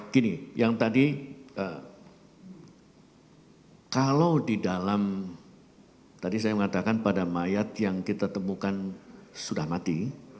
gini yang tadi kalau di dalam tadi saya mengatakan pada mayat yang kita temukan sudah mati